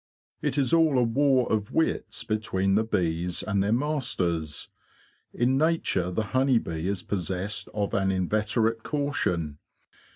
It is all a war of wits between the bees and their masters. In nature the honey bee is possessed of an inveterate caution.